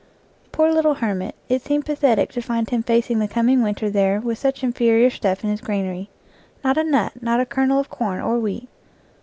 Poor little hermit, it seemed pathetic to find him facing the coming winter there with such inferior stuff in his granary. Not a nut, not a kernel of corn or wheat.